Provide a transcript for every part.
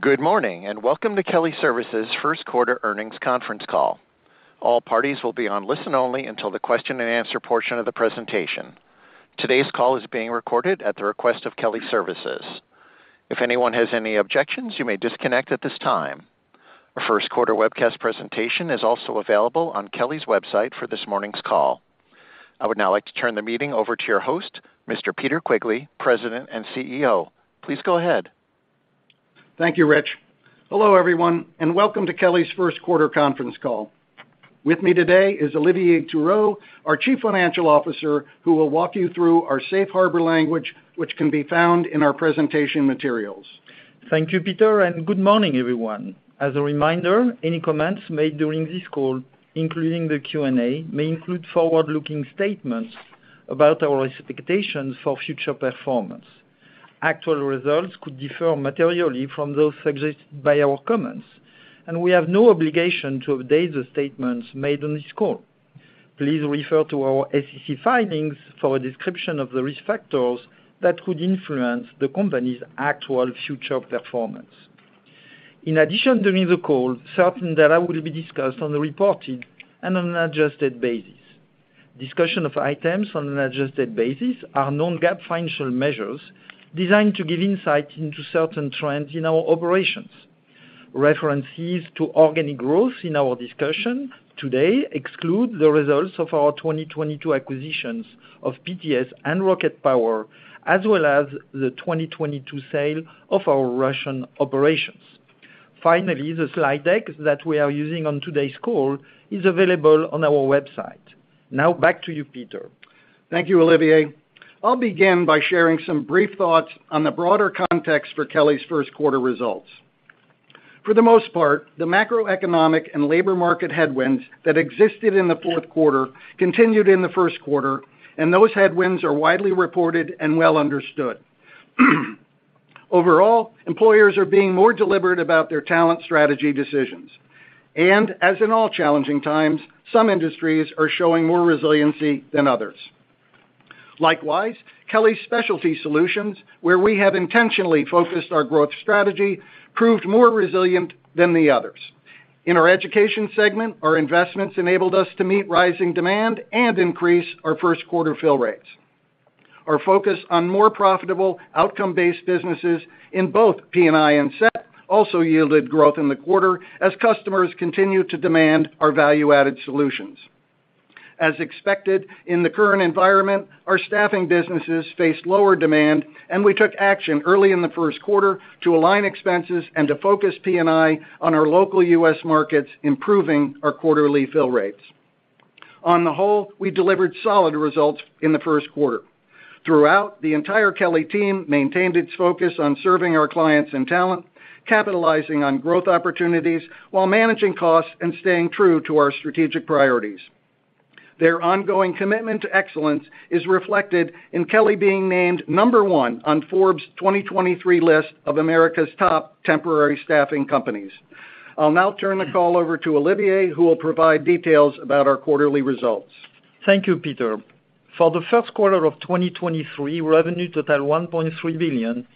Good morning, and welcome to Kelly Services' first quarter earnings conference call. All parties will be on listen only until the question and answer portion of the presentation. Today's call is being recorded at the request of Kelly Services. If anyone has any objections, you may disconnect at this time. Our first quarter webcast presentation is also available on Kelly's website for this morning's call. I would now like to turn the meeting over to your host, Mr. Peter Quigley, President and CEO. Please go ahead. Thank you, Rich. Hello, everyone, and welcome to Kelly's first quarter conference call. With me today is Olivier Thirot, our Chief Financial Officer, who will walk you through our safe harbor language, which can be found in our presentation materials. Thank you, Peter. Good morning, everyone. As a reminder, any comments made during this call, including the Q&A, may include forward-looking statements about our expectations for future performance. Actual results could differ materially from those suggested by our comments, and we have no obligation to update the statements made on this call. Please refer to our SEC filings for a description of the risk factors that could influence the company's actual future performance. In addition, during the call, certain data will be discussed on the reported and on an adjusted basis. Discussion of items on an adjusted basis are non-GAAP financial measures designed to give insight into certain trends in our operations. References to organic growth in our discussion today exclude the results of our 2022 acquisitions of PTS and RocketPower, as well as the 2022 sale of our Russian operations. Finally, the slide deck that we are using on today's call is available on our website. Now back to you, Peter. Thank you, Olivier. I'll begin by sharing some brief thoughts on the broader context for Kelly's first quarter results. For the most part, the macroeconomic and labor market headwinds that existed in the fourth quarter continued in the first quarter. Those headwinds are widely reported and well understood. Overall, employers are being more deliberate about their talent strategy decisions. As in all challenging times, some industries are showing more resiliency than others. Likewise, Kelly Specialty Solutions, where we have intentionally focused our growth strategy, proved more resilient than the others. In our education segment, our investments enabled us to meet rising demand and increase our first quarter fill rates. Our focus on more profitable outcome-based businesses in both P&I and SET also yielded growth in the quarter as customers continued to demand our value-added solutions. As expected, in the current environment, our staffing businesses faced lower demand, and we took action early in the first quarter to align expenses and to focus P&I on our local U.S. markets, improving our quarterly fill rates. On the whole, we delivered solid results in the first quarter. Throughout, the entire Kelly team maintained its focus on serving our clients and talent, capitalizing on growth opportunities while managing costs and staying true to our strategic priorities. Their ongoing commitment to excellence is reflected in Kelly being named number one on Forbes 2023 list of America's top temporary staffing companies. I'll now turn the call over to Olivier, who will provide details about our quarterly results. Thank you, Peter. For the first quarter of 2023, revenue total $1.3 billion,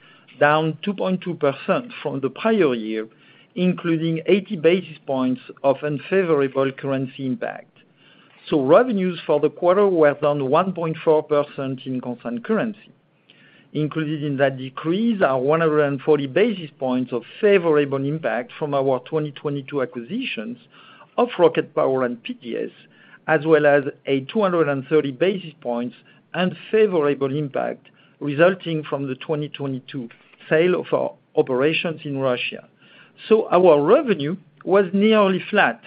down 2.2% from the prior year, including 80 basis points of unfavorable currency impact. Revenues for the quarter were down 1.4% in constant currency. Included in that decrease are 140 basis points of favorable impact from our 2022 acquisitions of RocketPower and PTS, as well as a 230 basis points unfavorable impact resulting from the 2022 sale of our operations in Russia. Our revenue was nearly flat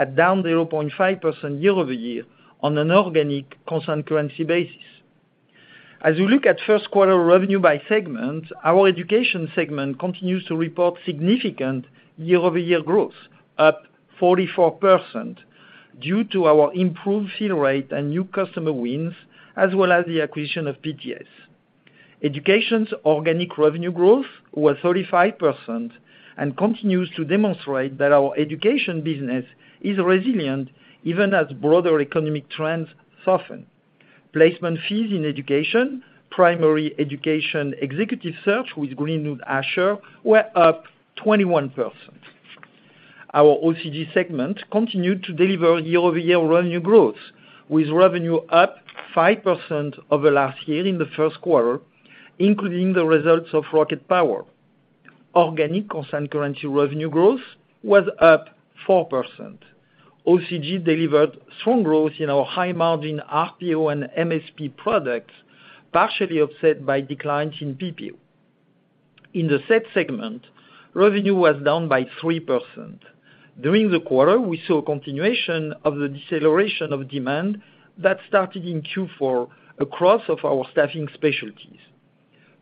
at down 0.5% year-over-year on an organic constant currency basis. As you look at first quarter revenue by segment, our Education segment continues to report significant year-over-year growth, up 44% due to our improved fill rate and new customer wins, as well as the acquisition of PTS. Education's organic revenue growth was 35% and continues to demonstrate that our education business is resilient even as broader economic trends soften. Placement fees in education, primary education executive search with Greenwood Asher were up 21%. Our OCG segment continued to deliver year-over-year revenue growth, with revenue up 5% over last year in the first quarter, including the results of RocketPower. Organic constant currency revenue growth was up 4%. OCG delivered strong growth in our high-margin RPO and MSP products, partially offset by declines in PPO. In the SET segment, revenue was down by 3%. During the quarter, we saw a continuation of the deceleration of demand that started in Q4 across of our staffing specialties.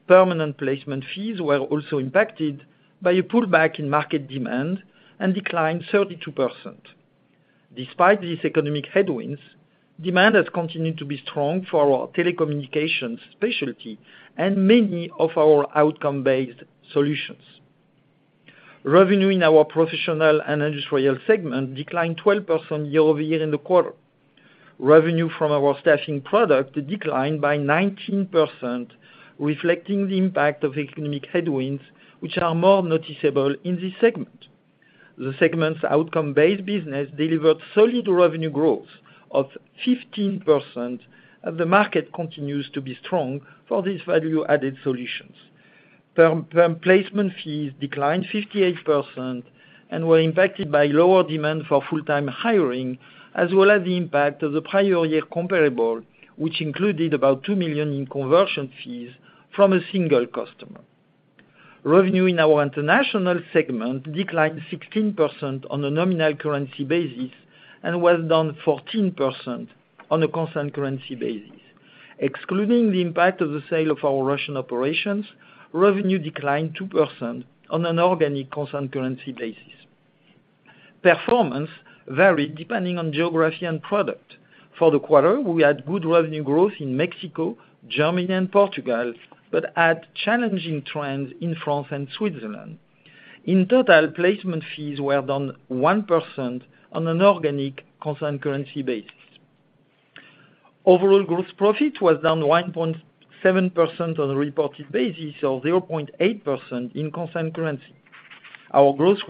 Permanent placement fees were also impacted by a pullback in market demand and declined 32%. Despite these economic headwinds, demand has continued to be strong for our telecommunications specialty and many of our outcome-based solutions. Revenue in our Professional & Industrial segment declined 12% year-over-year in the quarter. Revenue from our staffing product declined by 19%, reflecting the impact of economic headwinds, which are more noticeable in this segment. The segment's outcome-based business delivered solid revenue growth of 15%. The market continues to be strong for these value-added solutions. Per placement fees declined 58% and were impacted by lower demand for full-time hiring, as well as the impact of the prior year comparable, which included about $2 million in conversion fees from a single customer. Revenue in our international segment declined 16% on a nominal currency basis and was down 14% on a constant currency basis. Excluding the impact of the sale of our Russian operations, revenue declined 2% on an organic constant currency basis. Performance varied depending on geography and product. For the quarter, we had good revenue growth in Mexico, Germany, and Portugal, but had challenging trends in France and Switzerland. In total, placement fees were down 1% on an organic constant currency basis. Overall gross profit was down 1.7% on a reported basis, or 0.8% in constant currency. Our gross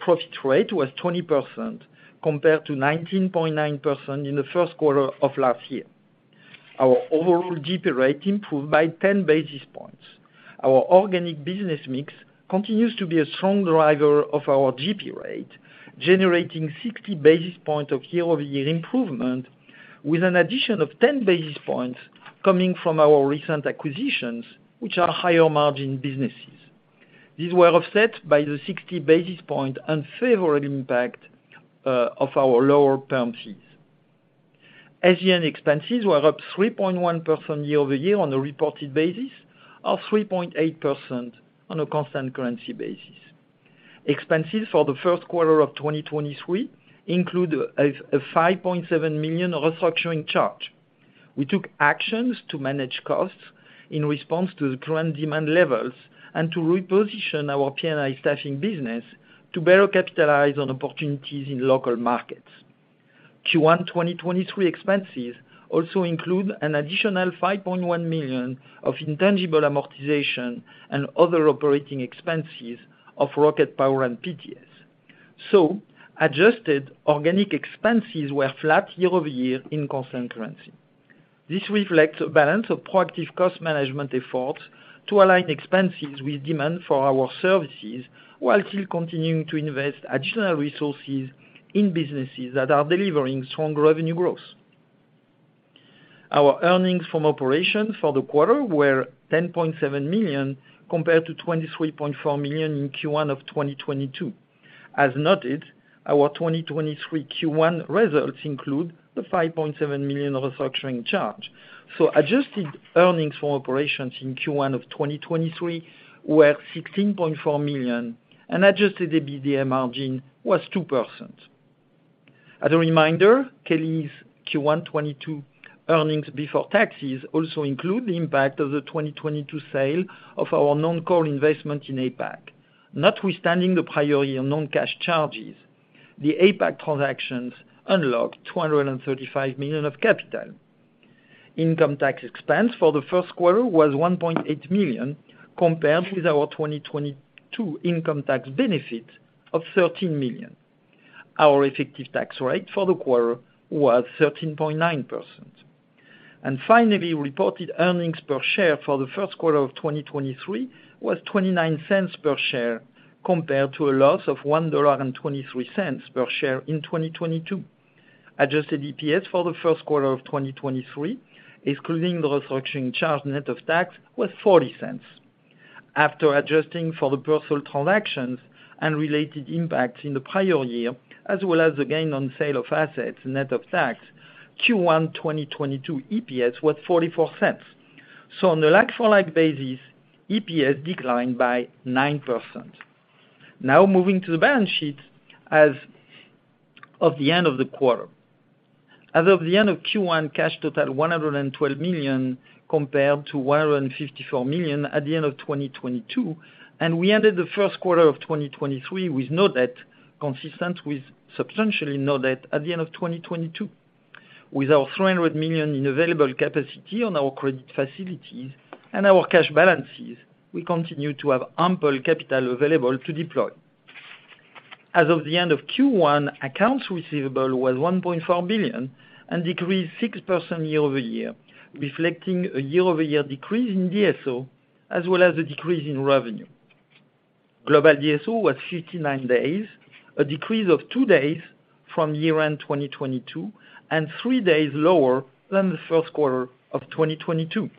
profit rate was 20% compared to 19.9% in the first quarter of last year. Our overall GP rate improved by 10 basis points. Our organic business mix continues to be a strong driver of our GP rate, generating 60 basis point of year-over-year improvement, with an addition of 10 basis points coming from our recent acquisitions, which are higher margin businesses. These were offset by the 60 basis point unfavorable impact of our lower perm fees. SG&A expenses were up 3.1% year-over-year on a reported basis, or 3.8% on a constant currency basis. Expenses for the first quarter of 2023 include a $5.7 million restructuring charge. We took actions to manage costs in response to the current demand levels and to reposition our P&I staffing business to better capitalize on opportunities in local markets. Q1 2023 expenses also include an additional $5.1 million of intangible amortization and other operating expenses of RocketPower and PTS. Adjusted organic expenses were flat year-over-year in constant currency. This reflects a balance of proactive cost management efforts to align expenses with demand for our services, while still continuing to invest additional resources in businesses that are delivering strong revenue growth. Our earnings from operations for the quarter were $10.7 million, compared to $23.4 million in Q1 of 2022. As noted, our 2023 Q1 results include the $5.7 million restructuring charge. Adjusted earnings from operations in Q1 of 2023 were $16.4 million, and adjusted EBITDA margin was 2%. As a reminder, Kelly's Q1 '22 earnings before taxes also include the impact of the 2022 sale of our non-core investment in APAC. Notwithstanding the prior year non-cash charges, the APAC transactions unlocked $235 million of capital. Income tax expense for the first quarter was $1.8 million, compared with our 2022 income tax benefit of $13 million. Our effective tax rate for the quarter was 13.9%. Finally, reported earnings per share for the first quarter of 2023 was $0.29 per share, compared to a loss of $1.23 per share in 2022. Adjusted EPS for the first quarter of 2023, excluding the restructuring charge net of tax, was $0.40. After adjusting for the Persol transactions and related impacts in the prior year, as well as the gain on sale of assets net of tax, Q1 2022 EPS was $0.44. On a like-for-like basis, EPS declined by 9%. Now moving to the balance sheet as of the end of the quarter. As of the end of Q1, cash totaled $112 million, compared to $154 million at the end of 2022, and we ended the first quarter of 2023 with no debt, consistent with substantially no debt at the end of 2022. With our $300 million in available capacity on our credit facilities and our cash balances, we continue to have ample capital available to deploy. As of the end of Q1, accounts receivable was $1.4 billion and decreased 6% year-over-year, reflecting a year-over-year decrease in DSO, as well as a decrease in revenue. Global DSO was 59 days, a decrease of two days from year-end 2022, and three days lower than the first quarter of 2022.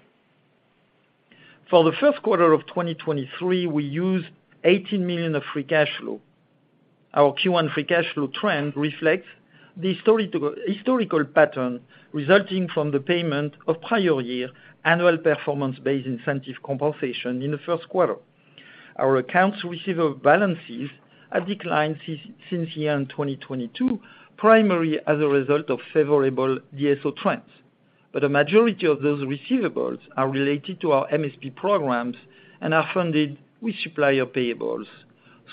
For the first quarter of 2023, we used $18 million of free cash flow. Our Q1 free cash flow trend reflects the historical pattern resulting from the payment of prior year annual performance-based incentive compensation in the first quarter. Our accounts receivable balances have declined since year-end 2022, primarily as a result of favorable DSO trends. A majority of those receivables are related to our MSP programs and are funded with supplier payables.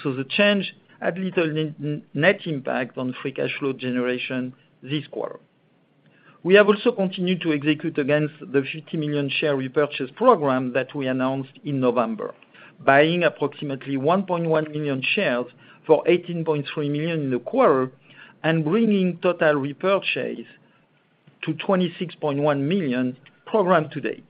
The change had little net impact on free cash flow generation this quarter. We have also continued to execute against the $50 million share repurchase program that we announced in November, buying approximately 1.1 million shares for $18.3 million in the quarter and bringing total repurchase to $26.1 million program to date.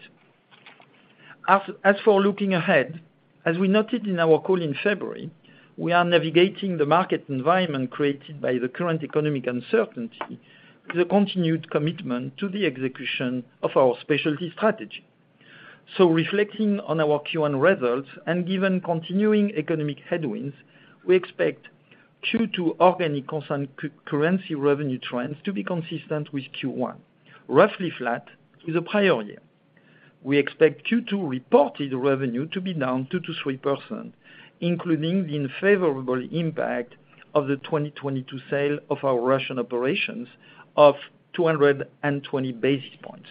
As for looking ahead, as we noted in our call in February, we are navigating the market environment created by the current economic uncertainty with a continued commitment to the execution of our specialty strategy. Reflecting on our Q1 results and given continuing economic headwinds, we expect Q2 organic constant currency revenue trends to be consistent with Q1, roughly flat with the prior year. We expect Q2 reported revenue to be down 2%-3%, including the unfavorable impact of the 2022 sale of our Russian operations of 220 basis points.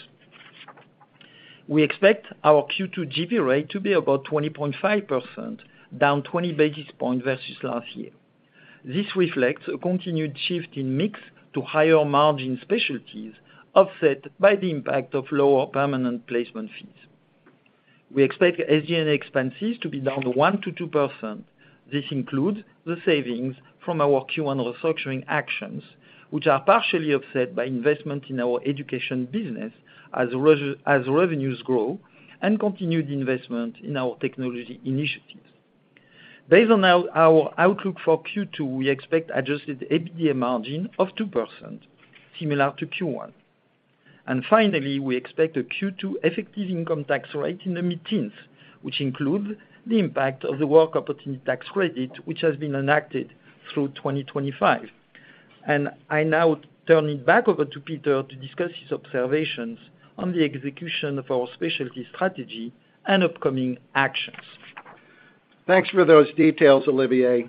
We expect our Q2 GP rate to be about 20.5%, down 20 basis points versus last year. This reflects a continued shift in mix to higher margin specialties offset by the impact of lower permanent placement fees. We expect SG&A expenses to be down 1%-2%. This includes the savings from our Q1 restructuring actions, which are partially offset by investment in our education business as revenues grow and continued investment in our technology initiatives. Based on our outlook for Q2, we expect adjusted EBITDA margin of 2%, similar to Q1. Finally, we expect a Q2 effective income tax rate in the mid-teens, which includes the impact of the Work Opportunity Tax Credit, which has been enacted through 2025. I now turn it back over to Peter to discuss his observations on the execution of our specialty strategy and upcoming actions. Thanks for those details, Olivier.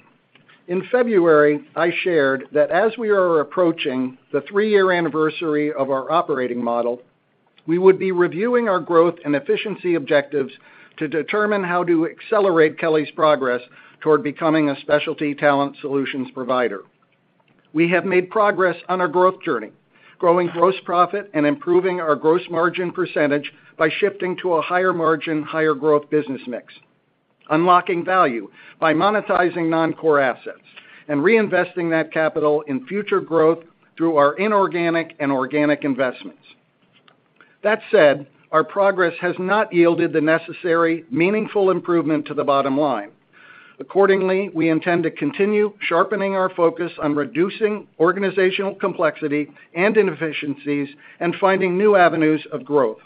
In February, I shared that as we are approaching the three-year anniversary of our operating model, we would be reviewing our growth and efficiency objectives to determine how to accelerate Kelly's progress toward becoming a specialty talent solutions provider. We have made progress on our growth journey, growing gross profit and improving our gross margin percentage by shifting to a higher margin, higher growth business mix, unlocking value by monetizing non-core assets, and reinvesting that capital in future growth through our inorganic and organic investments. That said, our progress has not yielded the necessary meaningful improvement to the bottom line. Accordingly, we intend to continue sharpening our focus on reducing organizational complexity and inefficiencies and finding new avenues of growth.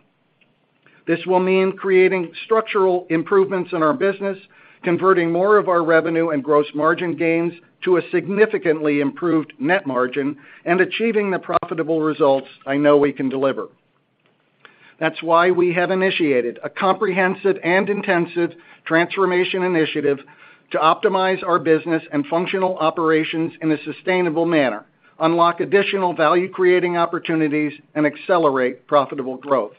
This will mean creating structural improvements in our business, converting more of our revenue and gross margin gains to a significantly improved net margin, and achieving the profitable results I know we can deliver. That's why we have initiated a comprehensive and intensive transformation initiative to optimize our business and functional operations in a sustainable manner, unlock additional value-creating opportunities, and accelerate profitable growth.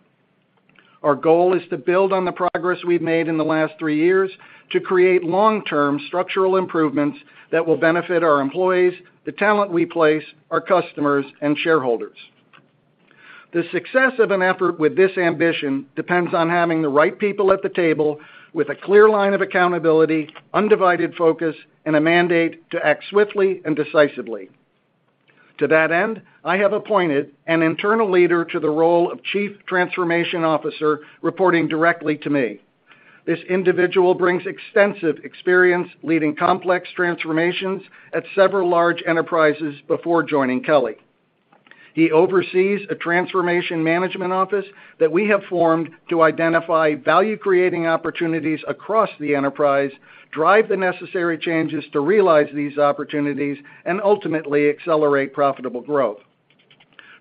Our goal is to build on the progress we've made in the last three years to create long-term structural improvements that will benefit our employees, the talent we place, our customers, and shareholders. The success of an effort with this ambition depends on having the right people at the table with a clear line of accountability, undivided focus, and a mandate to act swiftly and decisively. To that end, I have appointed an internal leader to the role of Chief Transformation Officer reporting directly to me. This individual brings extensive experience leading complex transformations at several large enterprises before joining Kelly. He oversees a transformation management office that we have formed to identify value-creating opportunities across the enterprise, drive the necessary changes to realize these opportunities, and ultimately accelerate profitable growth.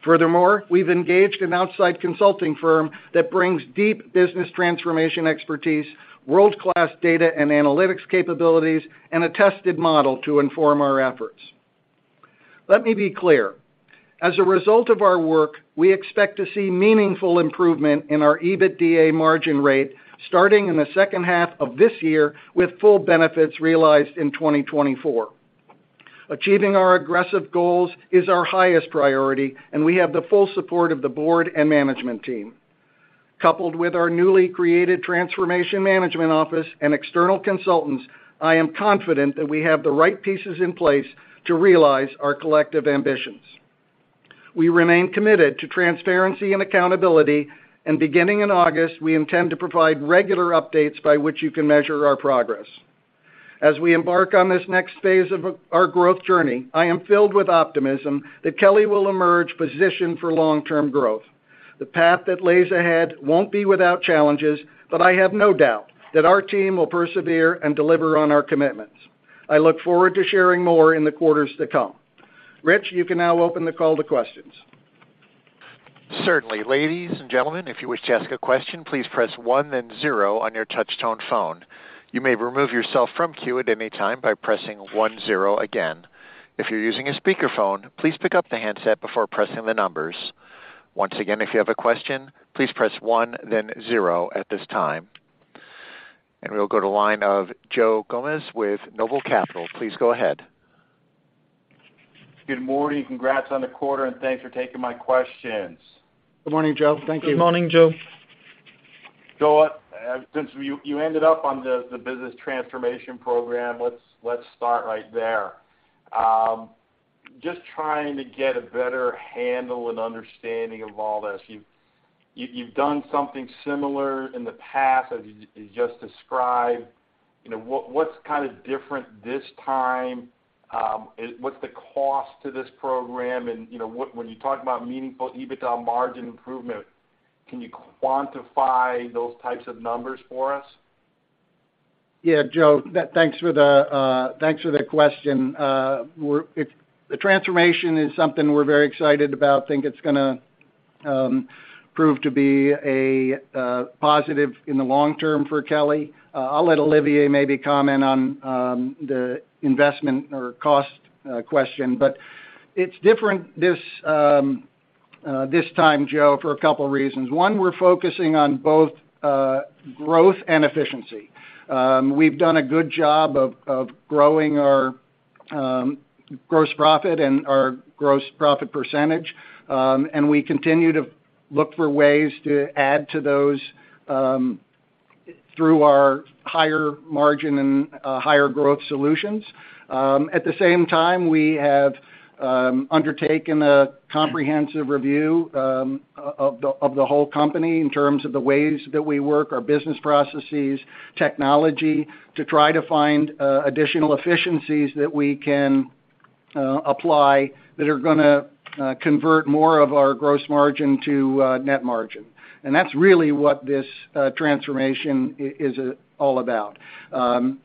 Furthermore, we've engaged an outside consulting firm that brings deep business transformation expertise, world-class data and analytics capabilities, and a tested model to inform our efforts. Let me be clear. As a result of our work, we expect to see meaningful improvement in our EBITDA margin rate starting in the second half of this year, with full benefits realized in 2024. Achieving our aggressive goals is our highest priority, and we have the full support of the board and management team. Coupled with our newly created Transformation Management Office and external consultants, I am confident that we have the right pieces in place to realize our collective ambitions. We remain committed to transparency and accountability. Beginning in August, we intend to provide regular updates by which you can measure our progress. As we embark on this next phase of our growth journey, I am filled with optimism that Kelly will emerge positioned for long-term growth. The path that lays ahead won't be without challenges. I have no doubt that our team will persevere and deliver on our commitments. I look forward to sharing more in the quarters to come. Rich, you can now open the call to questions. Certainly. Ladies and gentlemen, if you wish to ask a question, please press one then zero on your touch-tone phone. You may remove yourself from queue at any time by pressing one-zero again. If you're using a speakerphone, please pick up the handset before pressing the numbers. Once again, if you have a question, please press one then zero at this time. We'll go to line of Joe Gomes with Noble Capital. Please go ahead. Good morning. Congrats on the quarter, and thanks for taking my questions. Good morning, Joe. Thank you. Good morning, Joe. Since you ended up on the business transformation program, let's start right there. Just trying to get a better handle and understanding of all this. You've done something similar in the past, as you just described. You know, what's kind of different this time? What's the cost to this program? You know, when you talk about meaningful EBITDA margin improvement, can you quantify those types of numbers for us? Yeah, Joe, thanks for the question. If the transformation is something we're very excited about, think it's gonna prove to be a positive in the long term for Kelly. I'll let Olivier maybe comment on the investment or cost question, but it's different this time, Joe, for two reasons. One, we're focusing on both growth and efficiency. We've done a good job of growing our gross profit and our gross profit %. We continue to look for ways to add to those through our higher margin and higher growth solutions. At the same time, we have undertaken a comprehensive review of the whole company in terms of the ways that we work, our business processes, technology, to try to find additional efficiencies that we can apply that are gonna convert more of our gross margin to net margin. That's really what this transformation is all about. We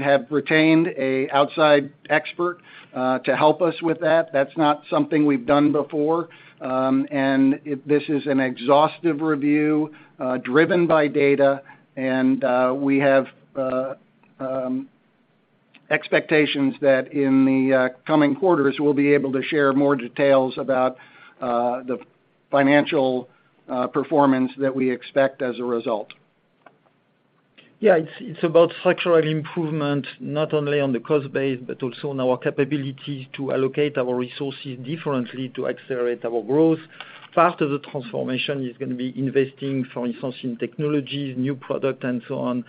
have retained an outside expert to help us with that. That's not something we've done before. This is an exhaustive review, driven by data, and we have expectations that in the coming quarters, we'll be able to share more details about the financial performance that we expect as a result. Yeah, it's about structural improvement, not only on the cost base, but also on our capability to allocate our resources differently to accelerate our growth. Part of the transformation is gonna be investing, for instance, in technologies, new product, and so on.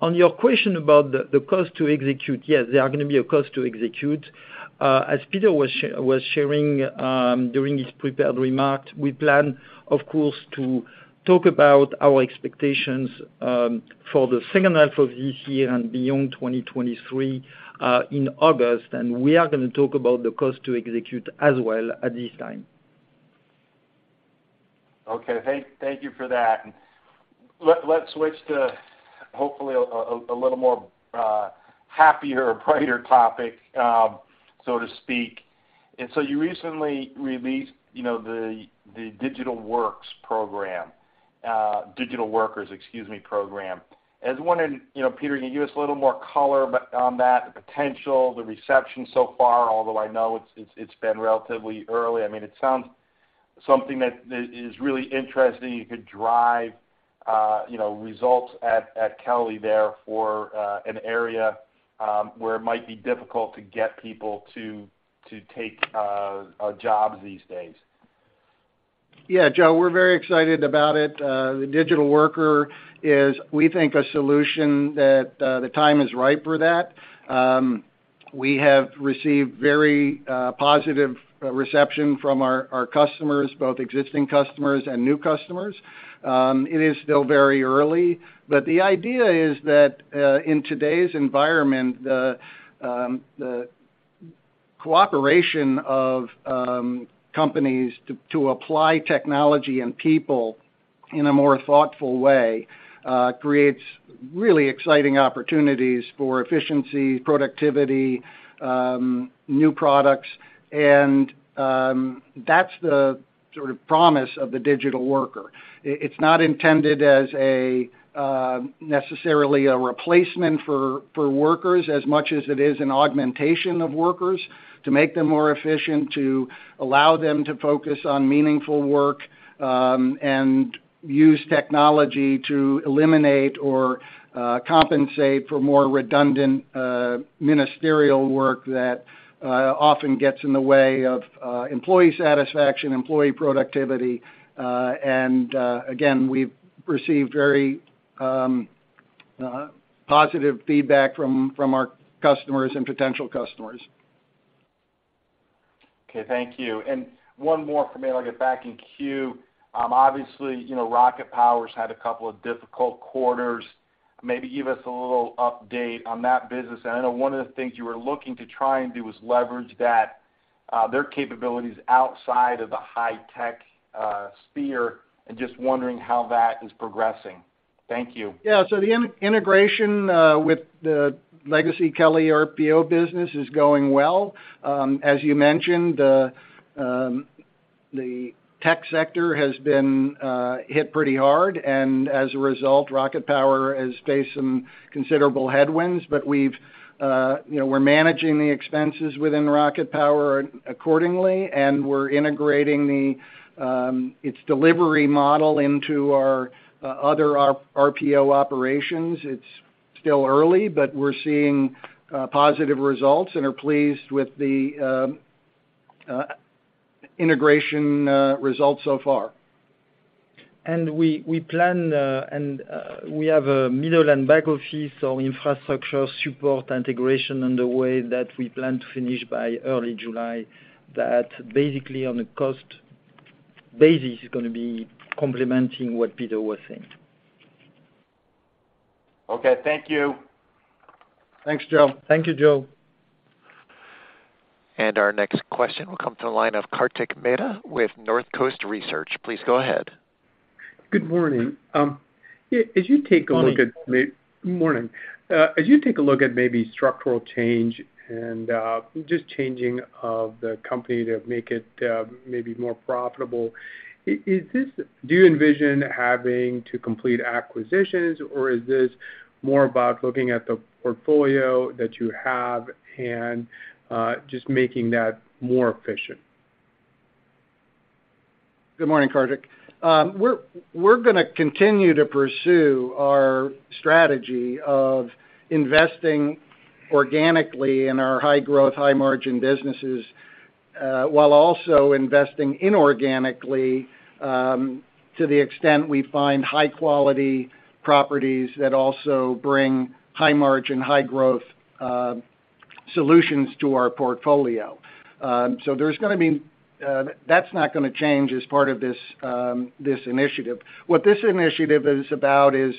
On your question about the cost to execute, yes, there are gonna be a cost to execute. As Peter was sharing during his prepared remarks, we plan, of course, to talk about our expectations for the second half of this year and beyond 2023 in August. We are gonna talk about the cost to execute as well at this time. Okay. Thank you for that. Let's switch to hopefully a little more happier or brighter topic, so to speak. You recently released, you know, the digital works program, Digital Workers, excuse me, program. I was wondering, you know, Peter, can you give us a little more color on that, the potential, the reception so far, although I know it's been relatively early. I mean, it sounds something that is really interesting. You could drive, you know, results at Kelly there for an area where it might be difficult to get people to take jobs these days. Joe, we're very excited about it. The Digital Worker is, we think, a solution that the time is ripe for that. We have received very positive reception from our customers, both existing customers and new customers. It is still very early, but the idea is that in today's environment, the cooperation of companies to apply technology and people in a more thoughtful way creates really exciting opportunities for efficiency, productivity, new products, and that's the sort of promise of the Digital Worker. It's not intended as a necessarily a replacement for workers as much as it is an augmentation of workers to make them more efficient, to allow them to focus on meaningful work, and use technology to eliminate or compensate for more redundant, ministerial work that often gets in the way of employee satisfaction, employee productivity. Again, we've received very positive feedback from our customers and potential customers. Okay, thank you. One more for me, I'll get back in queue. obviously, you know, RocketPower had a couple of difficult quarters. Maybe give us a little update on that business. I know one of the things you were looking to try and do was leverage that, their capabilities outside of the high-tech sphere, and just wondering how that is progressing? Thank you. Yeah. The in-integration with the legacy Kelly RPO business is going well. As you mentioned, the tech sector has been hit pretty hard, and as a result, RocketPower has faced some considerable headwinds. We've, you know, we're managing the expenses within RocketPower accordingly, and we're integrating its delivery model into our other RPO operations. It's still early, we're seeing positive results and are pleased with the integration results so far. We plan, and, we have a middle and back office, so infrastructure support integration on the way that we plan to finish by early July. That basically on a cost basis is gonna be complementing what Peter was saying. Okay. Thank you. Thanks, Joe. Thank you, Joe. Our next question will come to the line of Kartik Mehta with Northcoast Research. Please go ahead. Good morning. As you take a look. Morning. Morning. As you take a look at maybe structural change and, just changing of the company to make it, maybe more profitable, do you envision having to complete acquisitions, or is this more about looking at the portfolio that you have and, just making that more efficient? Good morning, Kartik. We're gonna continue to pursue our strategy of investing organically in our high growth, high margin businesses, while also investing inorganically, to the extent we find high-quality properties that also bring high margin, high growth, solutions to our portfolio. That's not gonna change as part of this initiative. What this initiative is about is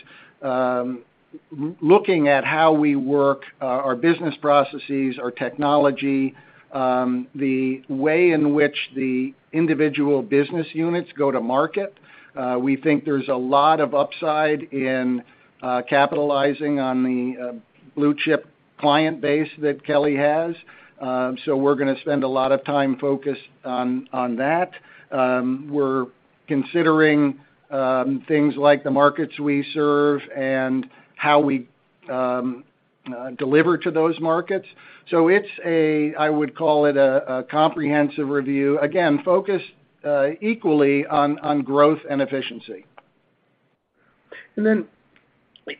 looking at how we work, our business processes, our technology, the way in which the individual business units go to market. We think there's a lot of upside in capitalizing on the blue chip client base that Kelly has. We're gonna spend a lot of time focused on that. We're considering things like the markets we serve and how we deliver to those markets. It's a, I would call it a comprehensive review, again, focused, equally on growth and efficiency.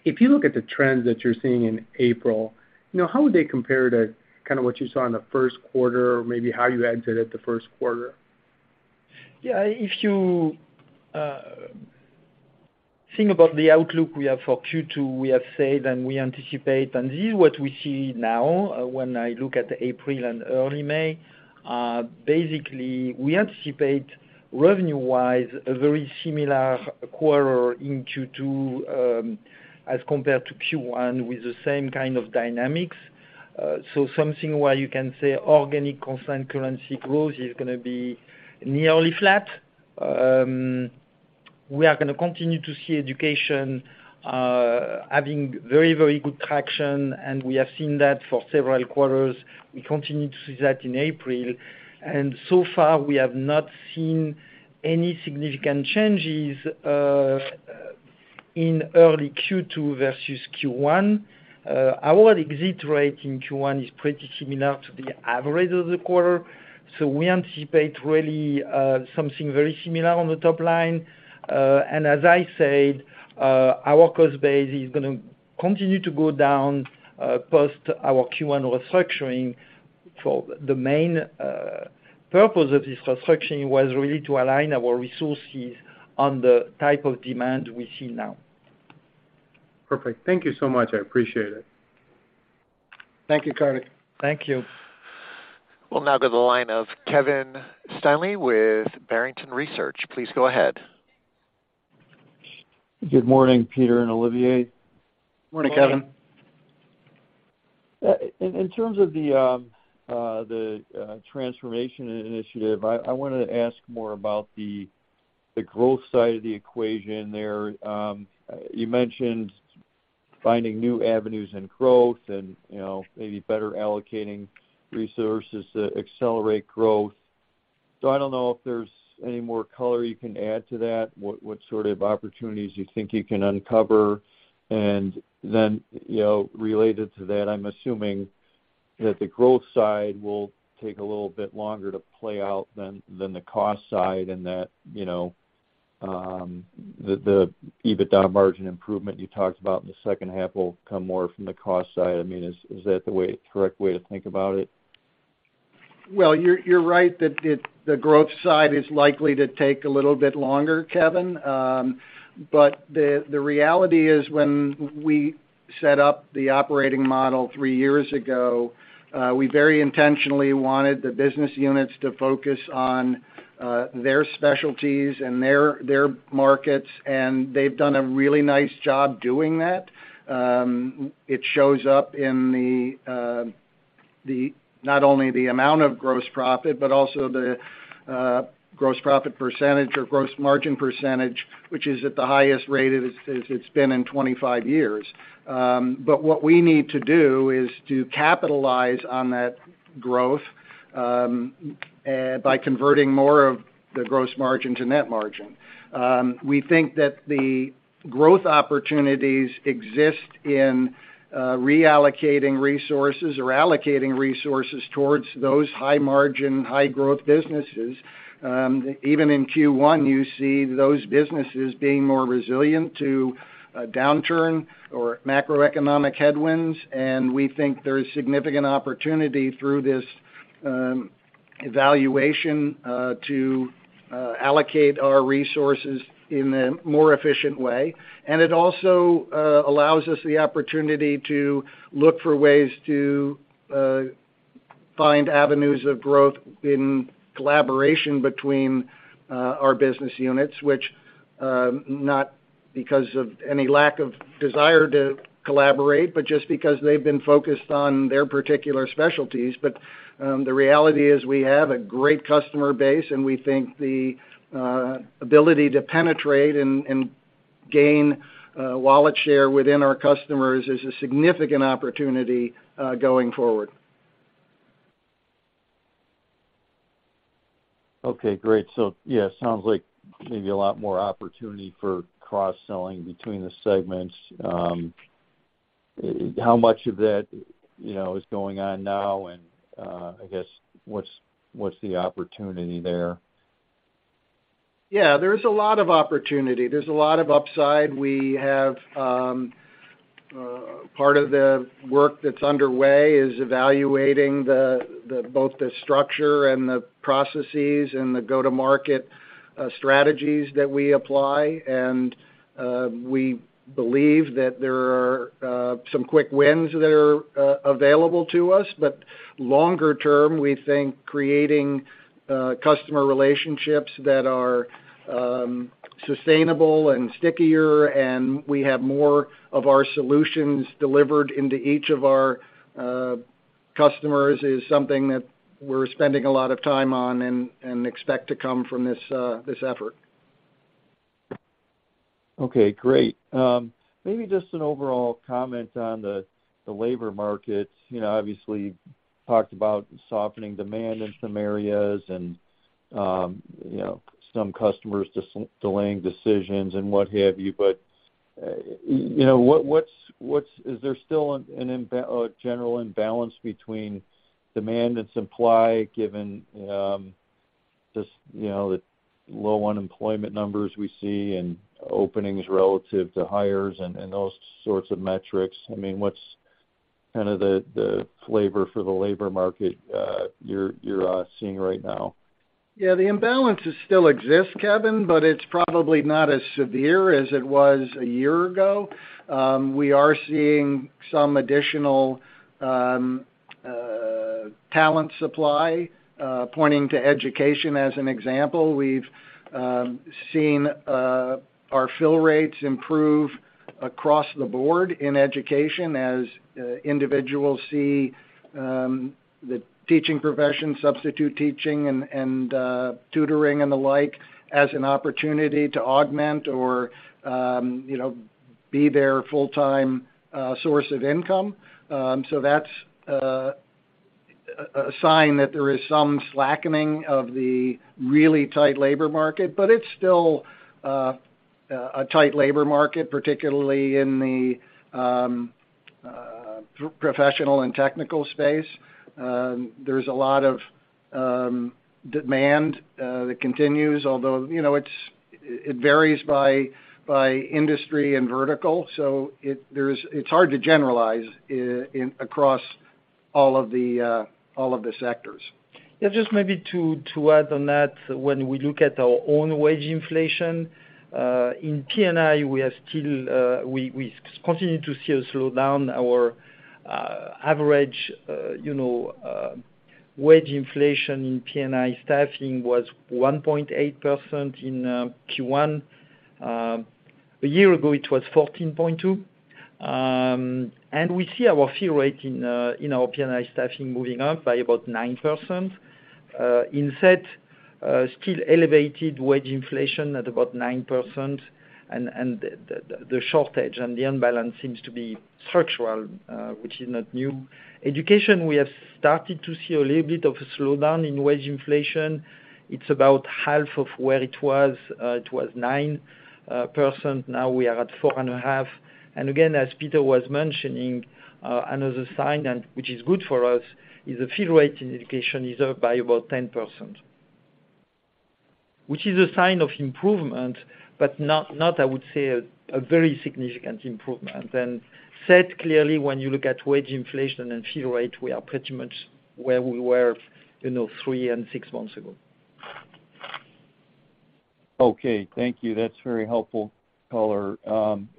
If you look at the trends that you're seeing in April, you know, how would they compare to kinda what you saw in the first quarter or maybe how you exited the first quarter? If you think about the outlook we have for Q2, we have said, and we anticipate, and this is what we see now, when I look at April and early May, basically we anticipate revenue-wise a very similar quarter in Q2, as compared to Q1 with the same kind of dynamics. Something where you can say organic constant currency growth is gonna be nearly flat. We are gonna continue to see education having very, very good traction, and we have seen that for several quarters. We continue to see that in April. So far we have not seen any significant changes in early Q2 versus Q1. Our exit rate in Q1 is pretty similar to the average of the quarter. We anticipate really something very similar on the top line. As I said, our cost base is gonna continue to go down post our Q1 restructuring. The main purpose of this restructuring was really to align our resources on the type of demand we see now. Perfect. Thank you so much. I appreciate it. Thank you, Kartik. Thank you. We'll now go to the line of Kevin Steinke with Barrington Research. Please go ahead. Good morning, Peter and Olivier. Morning, Kevin. Morning. In terms of the transformation initiative, I wanna ask more about the growth side of the equation there. You mentioned finding new avenues in growth and, you know, maybe better allocating resources to accelerate growth. I don't know if there's any more color you can add to that, what sort of opportunities you think you can uncover. Then, you know, related to that, I'm assuming that the growth side will take a little bit longer to play out than the cost side and that, you know, the EBITDA margin improvement you talked about in the second half will come more from the cost side. I mean, is that the way, correct way to think about it? You're right that the growth side is likely to take a little bit longer, Kevin. The reality is when we set up the operating model three years ago, we very intentionally wanted the business units to focus on their specialties and their markets, and they've done a really nice job doing that. It shows up in the not only the amount of gross profit, but also the gross profit percentage or gross margin percentage, which is at the highest rate it's been in 25 years. What we need to do is to capitalize on that growth by converting more of the gross margin to net margin. We think that the growth opportunities exist in reallocating resources or allocating resources towards those high margin, high growth businesses. Even in Q1, you see those businesses being more resilient to a downturn or macroeconomic headwinds, and we think there is significant opportunity through this evaluation to allocate our resources in a more efficient way. It also allows us the opportunity to look for ways to find avenues of growth in collaboration between our business units, which not because of any lack of desire to collaborate, but just because they've been focused on their particular specialties. The reality is we have a great customer base, and we think the ability to penetrate and gain wallet share within our customers is a significant opportunity going forward. Okay, great. Yeah, sounds like maybe a lot more opportunity for cross-selling between the segments. How much of that, you know, is going on now? I guess what's the opportunity there? Yeah, there's a lot of opportunity. There's a lot of upside. We have part of the work that's underway is evaluating the both the structure and the processes and the go-to-market strategies that we apply. We believe that there are some quick wins that are available to us. Longer term, we think creating customer relationships that are sustainable and stickier, and we have more of our solutions delivered into each of our customers is something that we're spending a lot of time on and expect to come from this effort. Okay, great. Maybe just an overall comment on the labor market. You know, obviously you've talked about softening demand in some areas and, you know, some customers just delaying decisions and what have you. You know, what is there still a general imbalance between demand and supply, given, just, you know, the low unemployment numbers we see and openings relative to hires and those sorts of metrics? I mean, what's kind of the flavor for the labor market you're seeing right now? l exists, Kevin, but it's probably not as severe as it was a year ago. We are seeing some additional talent supply, pointing to education as an example. We've seen our fill rates improve across the board in education as individuals see the teaching profession, substitute teaching and tutoring and the like, as an opportunity to augment or, you know, be their full-time source of income. So that's a sign that there is some slackening of the really tight labor market. But it's still a tight labor market, particularly in the professional and technical space. There's a lot of demand that continues, although, you know, it varies by industry and vertical. It's hard to generalize across all of the all of the sectors. Yeah, just maybe to add on that, when we look at our own wage inflation, in P&I, we are still, we continue to see a slowdown. Our average, you know, wage inflation in P&I staffing was 1.8% in Q1. A year ago, it was 14.2%. We see our fill rate in our P&I staffing moving up by about 9%. In SET, still elevated wage inflation at about 9%. The shortage and the imbalance seems to be structural, which is not new. Education, we have started to see a little bit of a slowdown in wage inflation. It's about half of where it was. It was 9%, now we are at 4.5%. Again, as Peter was mentioning, another sign, and which is good for us, is the fill rate in Education is up by about 10%, which is a sign of improvement, but not I would say a very significant improvement. SET, clearly when you look at wage inflation and fill rate, we are pretty much where we were, you know, three and six months ago. Okay. Thank you. That's very helpful color.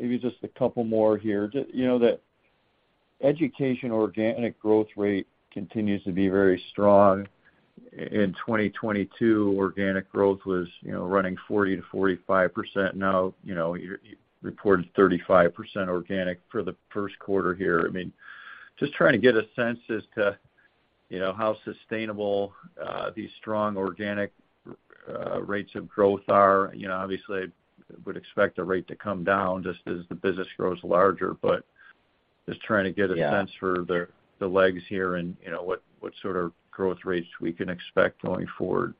Maybe just a couple more here. You know, the education organic growth rate continues to be very strong. In 2022, organic growth was, you know, running 40%-45%. Now, you know, you reported 35% organic for the first quarter here. I mean, just trying to get a sense as to, you know, how sustainable, these strong organic, rates of growth are. You know, obviously would expect the rate to come down just as the business grows larger. Just trying to get a sense for- Yeah the legs here and, you know, what sort of growth rates we can expect going forward.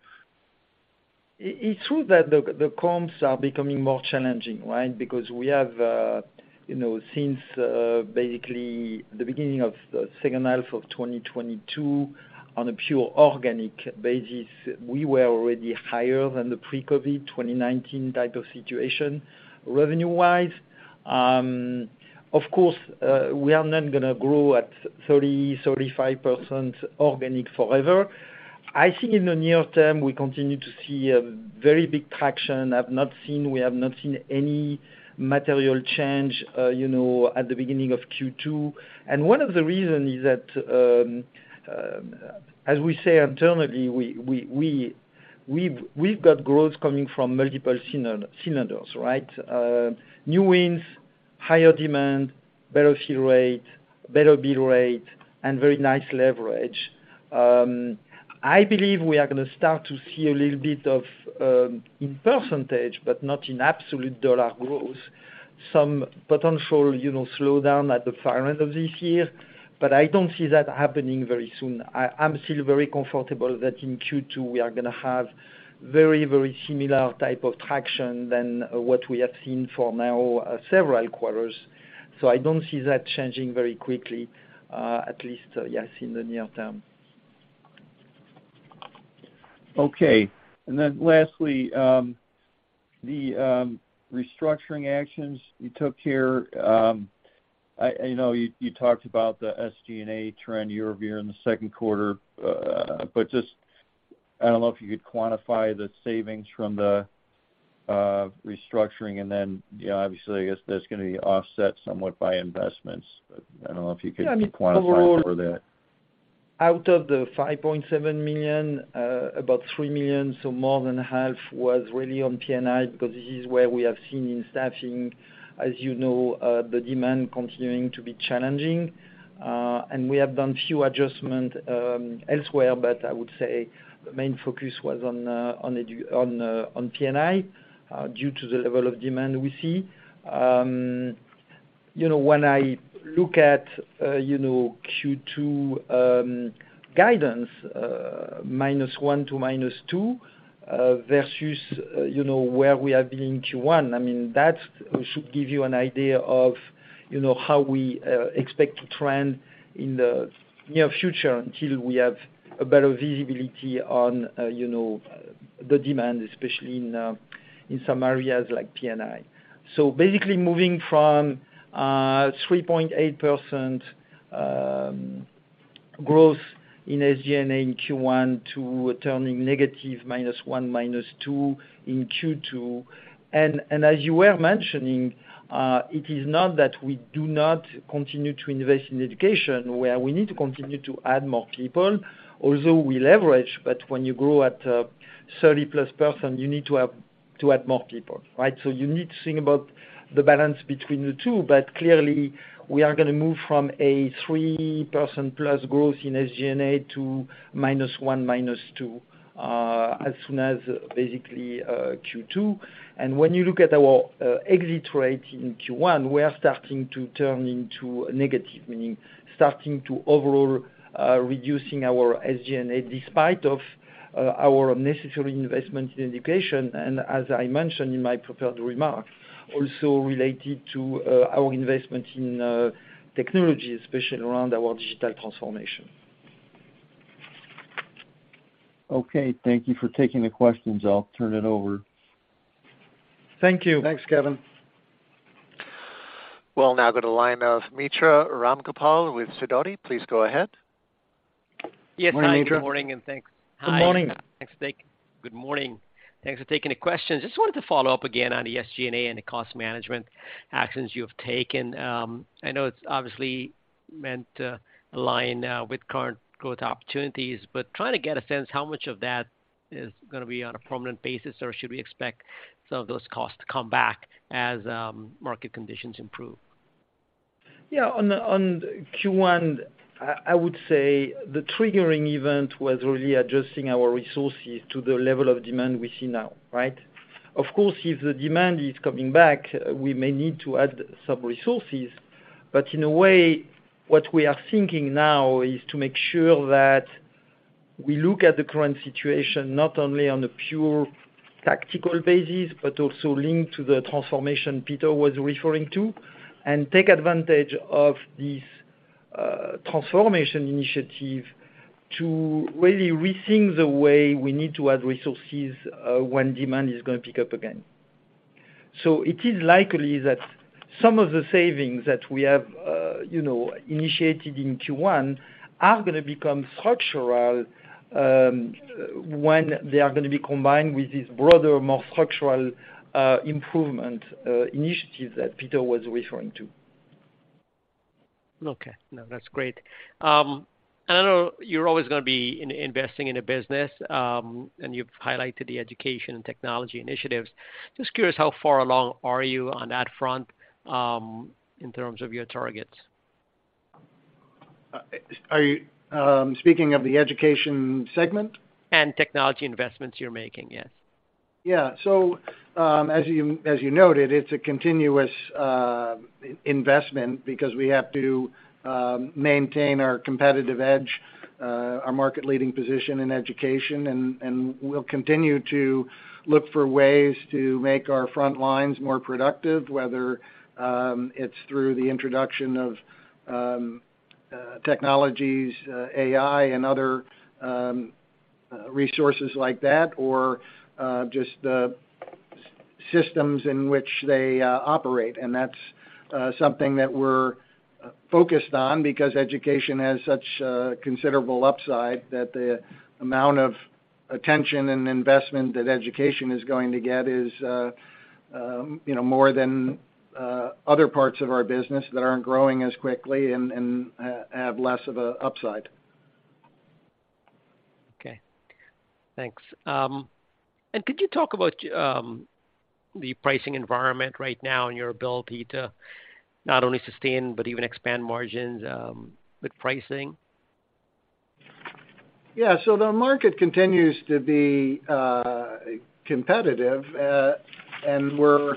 It's true that the comps are becoming more challenging, right? You know, since basically the beginning of the second half of 2022, on a pure organic basis, we were already higher than the pre-COVID 2019 type of situation revenue-wise. Of course, we are not gonna grow at 30%-35% organic forever. I think in the near term, we continue to see a very big traction. We have not seen any material change, you know, at the beginning of Q2. One of the reason is that, as we say internally, we've got growth coming from multiple cylinders, right? New wins, higher demand, better fill rate, better bill rate, and very nice leverage. I believe we are gonna start to see a little bit of in %, but not in absolute dollar growth, some potential, you know, slowdown at the far end of this year. I don't see that happening very soon. I'm still very comfortable that in Q2 we are gonna have very, very similar type of traction than what we have seen for now, several quarters. I don't see that changing very quickly, at least, yes, in the near term. Okay. Lastly, the restructuring actions you took here, I know you talked about the SG&A trend year-over-year in the second quarter. just, I don't know if you could quantify the savings from the restructuring. Then, you know, obviously, I guess that's gonna be offset somewhat by investments. I don't know if you could. Yeah, I mean.... quantify some of that out of the $5.7 million, about $3 million, so more than half, was really on P&I, because this is where we have seen in staffing, as you know, the demand continuing to be challenging. We have done few adjustment elsewhere, but I would say the main focus was on P&I, due to the level of demand we see. You know, when I look at, you know, Q2 guidance, -1% to -2%, versus, you know, where we have been in Q1, I mean, that should give you an idea of, you know, how we expect to trend in the near future until we have a better visibility on, you know, the demand, especially in some areas like P&I. Basically moving from 3.8% growth in SG&A in Q1 to turning negative -1, -2 in Q2. As you were mentioning, it is not that we do not continue to invest in education where we need to continue to add more people, although we leverage. When you grow at 30+%, you need to have to add more people, right? You need to think about the balance between the two. Clearly, we are gonna move from a 3%+ growth in SG&A to -1, -2 as soon as basically Q2. When you look at our exit rate in Q1, we are starting to turn into negative, meaning starting to overall reducing our SG&A despite of our necessary investment in education. As I mentioned in my prepared remarks, also related to our investment in technology, especially around our digital transformation. Okay. Thank you for taking the questions. I'll turn it over. Thank you. Thanks, Kevin. We'll now go to line of Mitra Ramgopal with Sidoti & Company, LLC. Please go ahead. Good morning. Hi, Mitra. Good morning, and thanks. Good morning. Hi. Thanks. Good morning. Thanks for taking the questions. Just wanted to follow up again on the SG&A and the cost management actions you have taken. I know it's obviously meant to align with current growth opportunities, but trying to get a sense how much of that is gonna be on a permanent basis, or should we expect some of those costs to come back as market conditions improve? Yeah. On Q1, I would say the triggering event was really adjusting our resources to the level of demand we see now, right? Of course, if the demand is coming back, we may need to add some resources. In a way, what we are thinking now is to make sure that we look at the current situation not only on a pure tactical basis, but also linked to the transformation Peter was referring to, and take advantage of this transformation initiative to really rethink the way we need to add resources when demand is gonna pick up again. It is likely that some of the savings that we have, you know, initiated in Q1 are gonna become structural when they are gonna be combined with this broader, more structural improvement initiative that Peter was referring to. Okay. No, that's great. I know you're always gonna be investing in the business, you've highlighted the education and technology initiatives. Just curious, how far along are you on that front, in terms of your targets? Are you, speaking of the education segment? Technology investments you're making, yes. As you noted, it's a continuous investment because we have to maintain our competitive edge, our market-leading position in education, and we'll continue to look for ways to make our front lines more productive, whether it's through the introduction of technologies, AI and other resources like that, or just systems in which they operate. That's something that we're focused on because education has such a considerable upside that the amount of attention and investment that education is going to get is, you know, more than other parts of our business that aren't growing as quickly and have less of an upside. Okay. Thanks. Could you talk about the pricing environment right now and your ability to not only sustain but even expand margins with pricing? The market continues to be competitive, and we're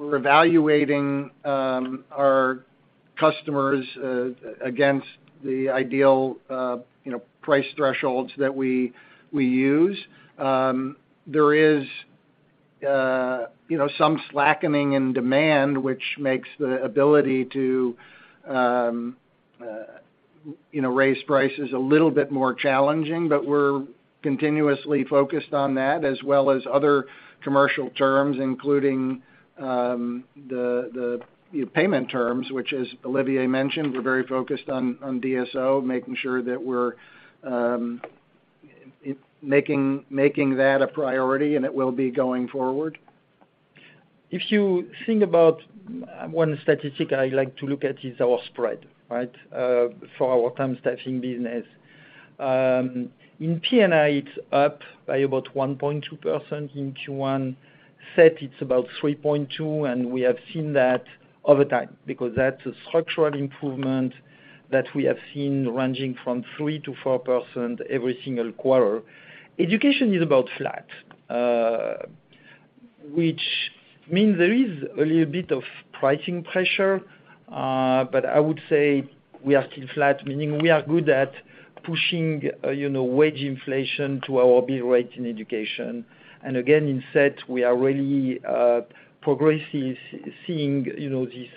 evaluating our customers against the ideal, you know, price thresholds that we use. There is, you know, some slackening in demand, which makes the ability to, you know, raise prices a little bit more challenging. We're continuously focused on that as well as other commercial terms, including the payment terms, which as Olivier mentioned, we're very focused on DSO, making that a priority, and it will be going forward. If you think about one statistic I like to look at is our spread, right, for our temp staffing business. In P&I, it's up by about 1.2% in Q1. SET, it's about 3.2%. We have seen that over time because that's a structural improvement that we have seen ranging from 3%-4% every single quarter. Education is about flat, which means there is a little bit of pricing pressure. I would say we are still flat, meaning we are good at pushing, you know, wage inflation to our bid rate in education. Again, in SET, we are really progressive, seeing, you know, this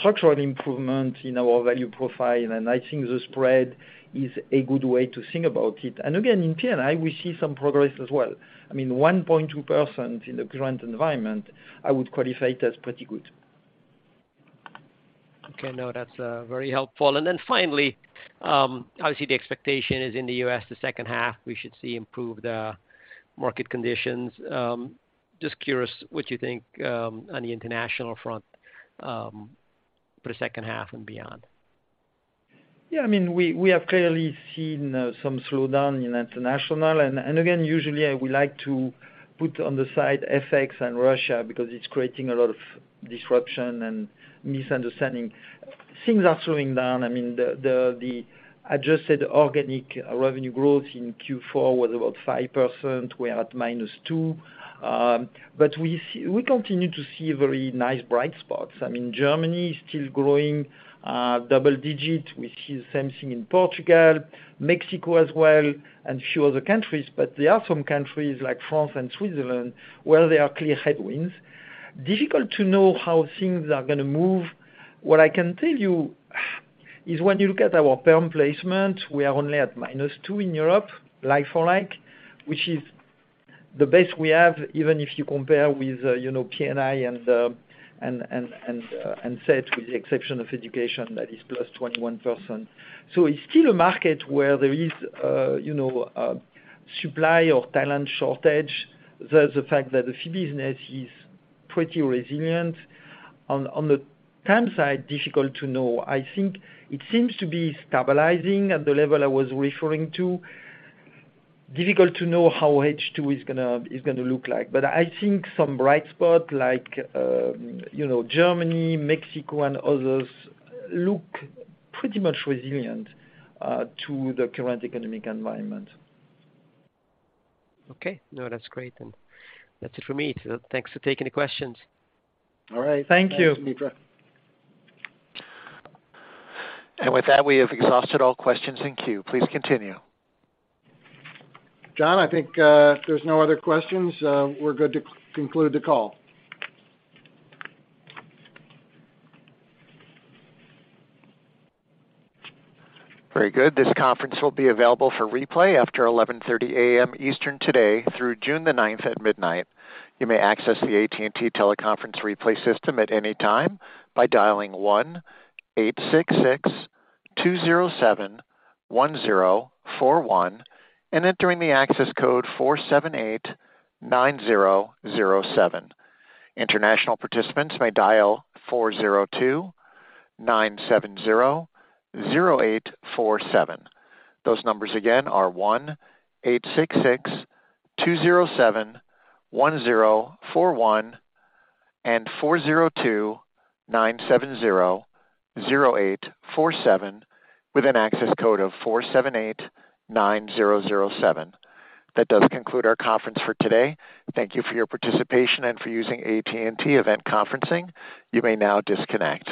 structural improvement in our value profile. I think the spread is a good way to think about it. Again, in P&I, we see some progress as well. I mean, 1.2% in the current environment, I would qualify it as pretty good. Okay. No, that's very helpful. Finally, obviously the expectation is in the U.S., the second half, we should see improved market conditions. Just curious what you think on the international front for the second half and beyond. I mean, we have clearly seen some slowdown in international. Again, usually I would like to put on the side FX and Russia because it's creating a lot of disruption and misunderstanding. Things are slowing down. I mean, the adjusted organic revenue growth in Q4 was about 5%. We are at -2%. But we continue to see very nice bright spots. I mean, Germany is still growing, double digit. We see the same thing in Portugal, Mexico as well, and a few other countries. There are some countries like France and Switzerland, where there are clear headwinds. Difficult to know how things are gonna move. What I can tell you is when you look at our perm placement, we are only at -2 in Europe, like for like, which is the best we have, even if you compare with, you know, P&I and SET, with the exception of education that is +21%. It's still a market where there is, you know, supply or talent shortage. There's the fact that the fee business is pretty resilient. On the temp side, difficult to know. I think it seems to be stabilizing at the level I was referring to. Difficult to know how H2 is gonna look like. I think some bright spot like, you know, Germany, Mexico and others look pretty much resilient to the current economic environment. Okay. No, that's great. That's it for me. Thanks for taking the questions. All right. Thank you. Thanks, Mitra. With that, we have exhausted all questions in queue. Please continue. John, I think, there's no other questions. We're good to conclude the call. Very good. This conference will be available for replay after 11:30 A.M. Eastern today through June the ninth at midnight. You may access the AT&T teleconference replay system at any time by dialing 1-866-207-1041 and entering the access code 4789007. International participants may dial 402-970-0847. Those numbers again are 1-866-207-1041 and 402-970-0847 with an access code of 4789007. That does conclude our conference for today. Thank you for your participation and for using AT&T event conferencing. You may now disconnect.